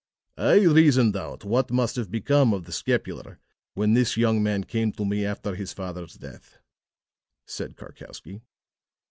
"I reasoned out what must have become of the scapular when this young man came to me after his father's death," said Karkowsky.